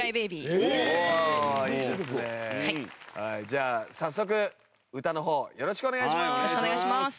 じゃあ早速歌の方よろしくお願いします！